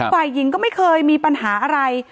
ฝ่ายหญิงก็ไม่เคยมีปัญหาอะไร